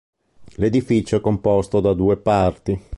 L'edificio è composto da due parti.